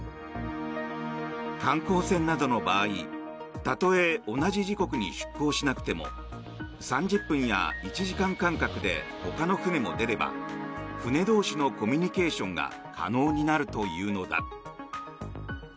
観光船などの場合たとえ同じ時刻に出港しなくても３０分や１時間間隔でほかの船も出れば船同士のコミュニケーションが可能になるというのだ。